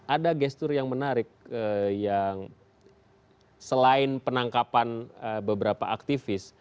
ada gestur yang menarik yang selain penangkapan beberapa aktivis